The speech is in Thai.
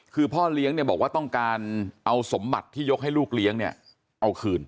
คือพ่อเลี้ยงเนี่ยบอกว่าต้องการเอาสมบัติที่ยกให้ลูกเลี้ยงเนี่ยเอาคืน